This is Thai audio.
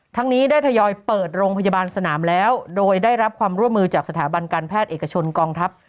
นี้ได้ทยอยเปิดโรงพยาบาลสนามแล้วโดยได้รับความร่วมมือจากสถาบันการแพทย์เอกชนกองทัพ